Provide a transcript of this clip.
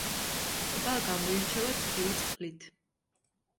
ტბა გამოირჩევა თბილი წყლით.